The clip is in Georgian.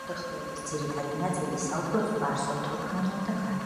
მოსახლეობის ძირითადი ნაწილი საუბრობს: სპარსულ, თურქმენულ და ქურთულ ენებზე.